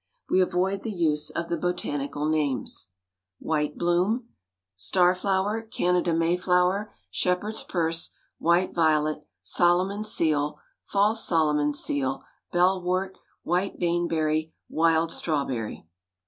We avoid the use of the botanical names: WHITE BLOOM. Star flower. Canada Mayflower. Shepherd's purse. White violet. Solomon's seal. False Solomon's seal. Bellwort. White baneberry. Wild strawberry.